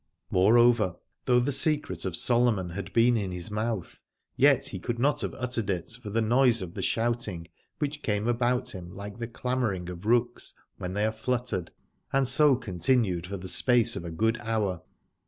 Moreover, though the secret of Solomon had been in his mouth, yet he could not have uttered it for the noise of the shouting, which came about him like the clamouring of rooks when they are fluttered, and so continued for the space of a good hour.